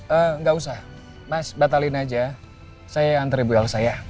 enggak usah mas batalin aja saya yang antar ibu elsa ya